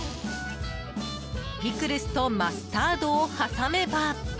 ピクルスとマスタードを挟めば。